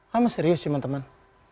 kamu serius cuman temen